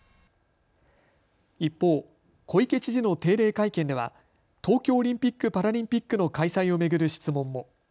一方、小池知事の定例会見では東京オリンピック・パラリンピックの開催を巡る質問も。